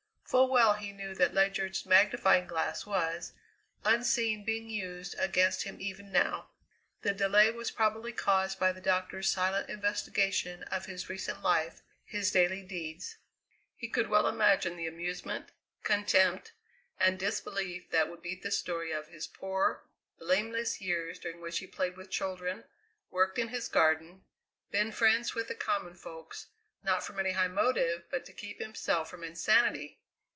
Full well he knew that Ledyard's magnifying glass was, unseen, being used against him even now. The delay was probably caused by the doctor's silent investigation of his recent life, his daily deeds. He could well imagine the amusement, contempt, and disbelief that would meet the story of his poor, blameless years during which he had played with children, worked in his garden, been friends with the common folk, not from any high motive, but to keep himself from insanity!